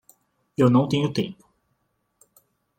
Eu não tenho tempo